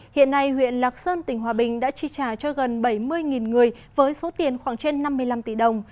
hiện nay huyện lạc sơn tỉnh hòa bình đã chi trả cho gần bảy mươi người với số tiền khoảng trên năm mươi năm tỷ đồng